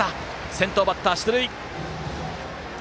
先頭バッター出塁。